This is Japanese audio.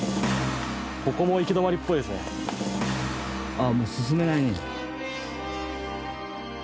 あっもう進めないね。